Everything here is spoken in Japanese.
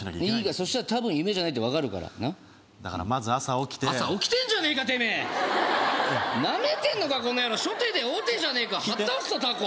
そしたら多分夢じゃないってわかるからなっだからまず朝起きて朝起きてんじゃねえかてめえナメてんのかこの野郎初手で王手じゃねえかはっ倒すぞタコ！